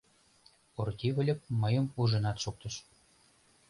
Орти Выльып мыйым ужынат шуктыш.